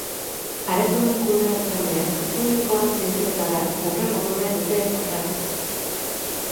Aretoen kudeatzaileek publikoa zinemetara hurreratu nahi dute horrela.